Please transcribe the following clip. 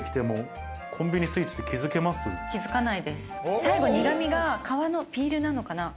最後、苦味が皮のピールなのかな？